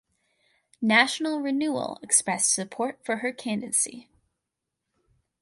National Renewal expressed support for her candidacy.